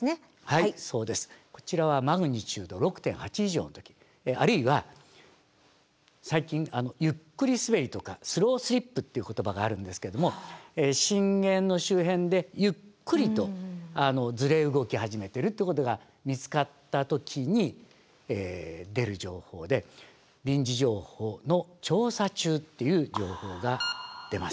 はいそうです。こちらはＭ６．８以上の時あるいは最近という言葉があるんですけれども震源の周辺でゆっくりとずれ動き始めてるってことが見つかった時に出る情報で臨時情報の調査中っていう情報が出ます。